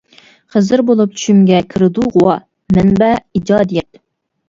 خىزىر بولۇپ چۈشۈمگە، كىرىدۇ غۇۋا. مەنبە: ئىجادىيەت.